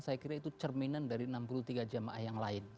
saya kira itu cerminan dari enam puluh tiga jemaah yang lain